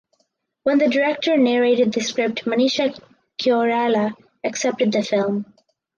When the director narrated the script Manisha Koirala accepted the film.